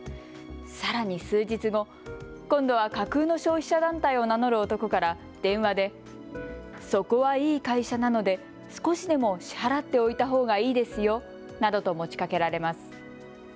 さらに数日後、今度は架空の消費者団体を名乗る男から電話で、そこはいい会社なので少しでも支払っておいたほうがいいですよなどと持ちかけられます。